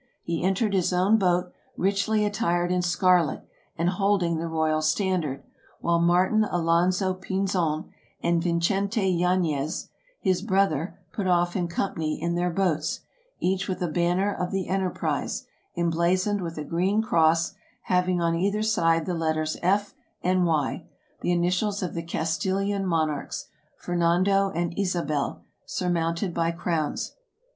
He entered his own boat, richly attired in scarlet, and holding the royal standard ; while Martin Alonso Pin zon and Vincente Yanez, his brother, put off in company in their boats, each with a banner of the enterprise, emblaz oned with a green cross, having on either side the letters F and Y, the initials of the Castiiian monarchs, Fernando and Ysabel, surmounted by crowns.